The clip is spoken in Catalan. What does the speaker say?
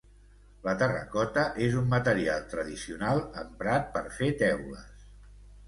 La terracota és un material tradicional emprat per fer teules.